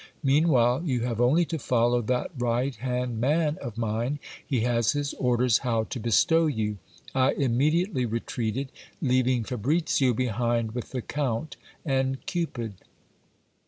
Meanwhile, you have only to follow that right hand man of mine; he has his ordershow to bestow you. I immediately retreated, leaving Fabricio behind with the Count and Cupid.